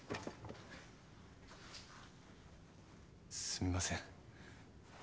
すみません。